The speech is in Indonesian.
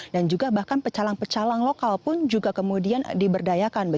dan juga bahkan pecalang pecalang lokal pun juga kemudian diberdayakan